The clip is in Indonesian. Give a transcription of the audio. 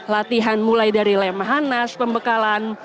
latihan mulai dari lemhanas pembekalan